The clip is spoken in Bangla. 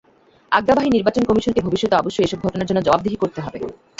আজ্ঞাবাহী নির্বাচন কমিশনকে ভবিষ্যতে অবশ্যই এসব ঘটনার জন্য জবাবদিহি করতে হবে।